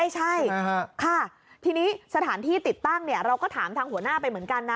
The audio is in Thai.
ใช่ค่ะทีนี้สถานที่ติดตั้งเราก็ถามทางหัวหน้าไปเหมือนกันนะ